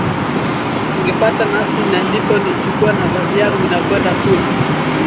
wangepata nafasi na ndipo nilichukua nafasi yangu na kwenda kule